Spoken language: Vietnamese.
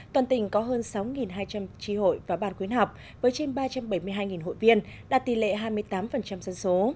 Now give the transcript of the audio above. toàn tỉnh có hơn sáu hai trăm linh tri hội và ban khuyến học với trên ba trăm bảy mươi hai hội viên đạt tỷ lệ hai mươi tám dân số